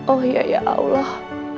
oh ya ya allah